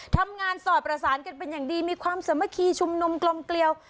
ทำงานสอดประสานกันเป็นอย่างดีมีความสามัคคีชุมนุมกลมเกลียว